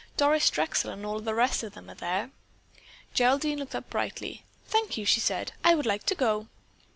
Doris Drexel and all the rest of them are there." Geraldine looked up brightly: "Thank you," she said, "I would like to go."